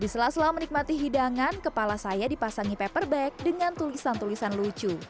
di sela sela menikmati hidangan kepala saya dipasangi paper bag dengan tulisan tulisan lucu